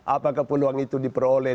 apakah peluang itu diperoleh